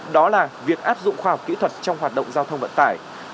đó là việc áp dụng khoa học kỹ thuật trong hoạt động giao thông vận tải